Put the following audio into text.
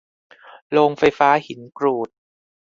โรงไฟฟ้าหินกรูด